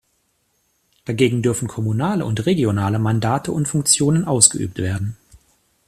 Dagegen dürfen kommunale und regionale Mandate und Funktionen ausgeübt werden.